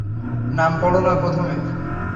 নাম পড় না প্রথমে।